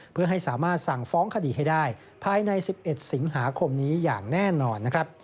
เพื่อให้สามารถสั่งฟ้องคดีให้ได้ภายใน๑๑สิงหาคมนี้อย่างแน่นอนนะครับ